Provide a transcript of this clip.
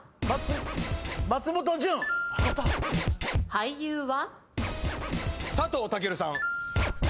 俳優は？